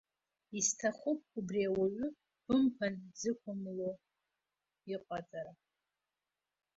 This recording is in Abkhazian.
Исҭахуп убри ауаҩ бымԥан дзықәымло иҟаҵара.